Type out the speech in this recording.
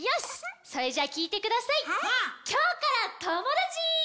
「きょうからともだち」！